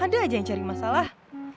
ada aja yang cari masalah